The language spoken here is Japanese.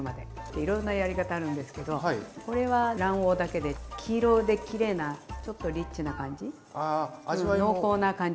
いろんなやり方あるんですけどこれは卵黄だけで黄色できれいなちょっとリッチな感じ？